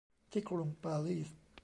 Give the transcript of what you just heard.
ที่กรุงปารีส